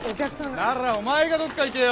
ならお前がどっか行けよ。